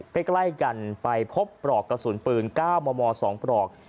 ใกล้กันไปพบปลอกกระสุนปืน๙มม๒ปลอก